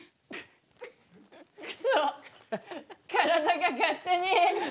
くそ体が勝手に。